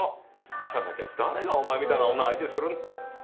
じゃなきゃ誰がお前みたいな女相手するんだよ。